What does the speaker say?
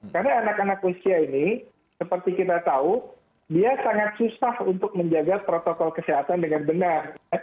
karena anak anak usia ini seperti kita tahu dia sangat susah untuk menjaga protokol kesehatan dengan benar